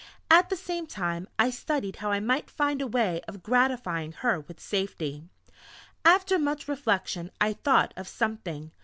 At the same time I studied how I might find a way of gratifying her with safety. After much reflection I thought of something.